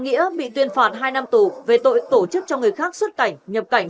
gia đình có công với cách mạng